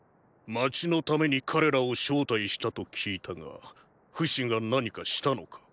街のために彼らを招待したと聞いたがフシが何かしたのか？